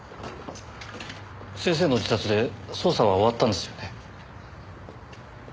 先生の自殺で捜査は終わったんですよね。